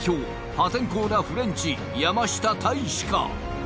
破天荒なフレンチ山下泰史か？